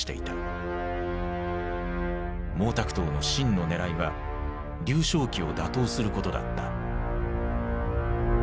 毛沢東の真のねらいは劉少奇を打倒することだった。